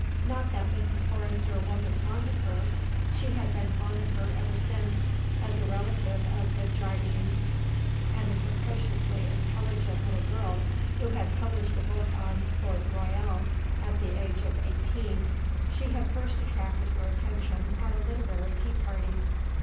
Not that Mrs. Forrester wasn't fond of her; she had been fond of her ever since, as a relative of the Jardines' and a precociously intelligent little girl who had published a book on Port Royal at the age of eighteen, she had first attracted her attention at a literary tea party.